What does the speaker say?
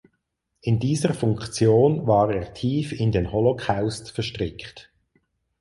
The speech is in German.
In dieser Funktion war er tief in den Holocaust verstrickt.